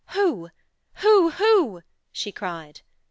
'Who? Who? Who?' she cried.